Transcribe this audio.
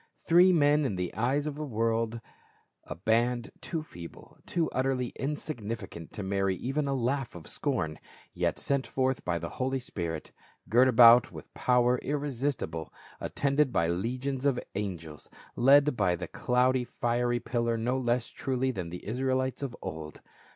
Three men, in the eyes of that world a band too feeble, too utterly insignificant to merit even a laugh of scorn, yet sent forth by the Holy Spirit, girt about with power irresistible, attended by legions of angels, led by the cloudy fier\' pillar no less truly than the Israelites of old.